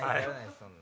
そんな。